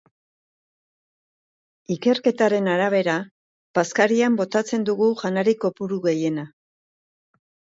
Ikerketaren arabera, bazkarian botatzen dugu janari kopuru gehiena.